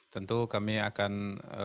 tentu kami akan mendukung semua